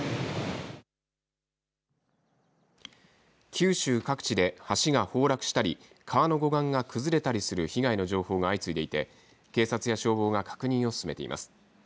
九州各地で橋が崩落したり川の護岸が崩れたりする被害の情報が相次いでいて、警察や消防が確認を進めています。